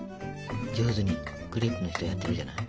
上手にクレープの人やってるじゃない？